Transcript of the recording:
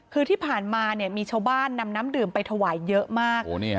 คือที่ผ่านมามีชาวบ้านนำน้ำดื่มไปถวายเยอะมาก